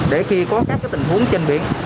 để khi có các tình huống trên biển